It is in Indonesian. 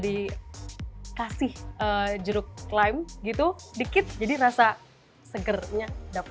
dikasih jeruk lime gitu dikit jadi rasa segera